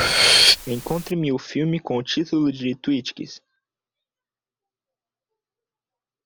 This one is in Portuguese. Encontre-me o filme com o título de Twitches